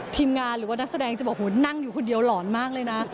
ทีมงานหรือว่านักแสดงจะบอกนั่งอยู่คนเดียวหลอนมากเลยนะ